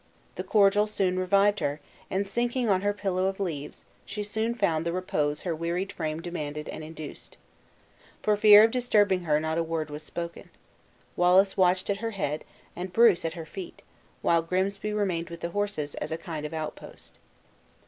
The cordial soon revived her, and sinking on her pillow of leaves, she soon found the repose her wearied frame demanded and induced. For fear of disturbing her not a word was spoken. Wallace watched at her head, and Bruce sat at her feet, while Grimsby remained with the horses, as a kind of outpost.